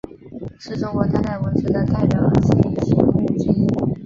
是中国当代文学的代表性刊物之一。